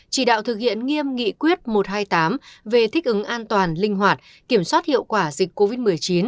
chỉ đạo thực hiện nghiêm nghị quyết một trăm hai mươi tám về thích ứng an toàn linh hoạt kiểm soát hiệu quả dịch covid một mươi chín